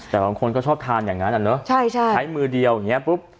แต่บางคนก็ชอบทานอย่างนั้นอ่ะเนอะใช่ใช่ใช้มือเดียวอย่างเงี้ปุ๊บ